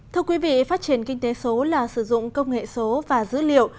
thưa quý vị phát triển kinh tế số là sử dụng công nghệ số và dữ liệu